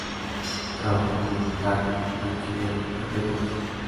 Trabajó como notario, archivero, y periodista.